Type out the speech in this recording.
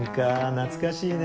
懐かしいね